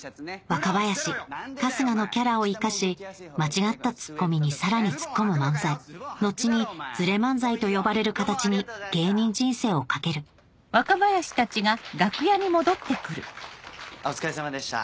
若林春日のキャラを生かし間違ったツッコミにさらにツッコむ漫才後に「ズレ漫才」と呼ばれる形に芸人人生を賭けるお疲れさまでした。